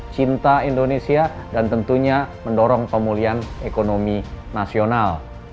cinta indonesia dan tentunya mendorong pemulihan ekonomi nasional